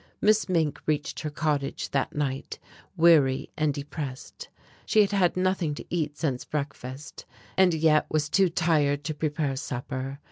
Miss Mink reached her cottage that night weary and depressed. She had had nothing to eat since breakfast, and yet was too tired to prepare supper.